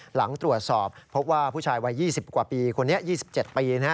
หลังตรวจสอบพบว่าผู้ชายวัย๒๐กว่าปีคนนี้๒๗ปี